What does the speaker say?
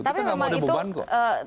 kita nggak mau ada beban kok